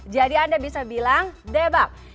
jadi anda bisa bilang debak